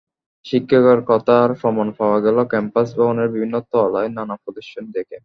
শিক্ষকের কথার প্রমাণ পাওয়া গেল ক্যাম্পাস ভবনের বিভিন্ন তলায় নানা প্রদর্শনী দেখে।